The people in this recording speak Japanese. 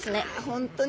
本当に。